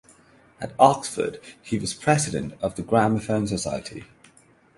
At Oxford he was President of the Gramophone Society.